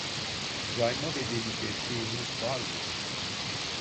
Cayma bedeli desteğiniz var mı